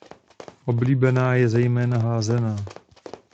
Oblíbená je zejména házená.